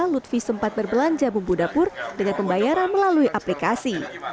lutfi sempat berbelanja bumbu dapur dengan pembayaran melalui aplikasi